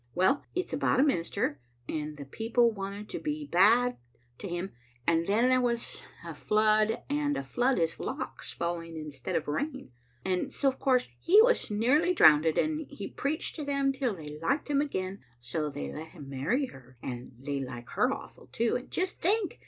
Well, it*s about a minister, and the people wanted to be bad to him, and then there was a fiood, and a fiood is lochs falling instead of rain, and so of course he was nearly drownded, and he preached to them till they liked him again, arid so they let him marry her, and they like her awful too, and, just think!